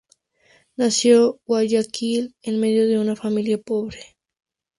Nació Guayaquil en medio de una familia pobre.